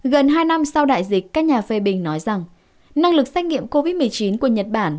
gần hai năm sau đại dịch các nhà phê bình nói rằng năng lực xét nghiệm covid một mươi chín của nhật bản